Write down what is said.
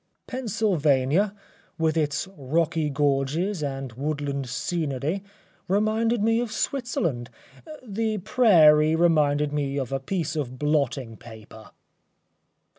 Pennsylvania, with its rocky gorges and woodland scenery, reminded me of Switzerland. The prairie reminded me of a piece of blotting paper.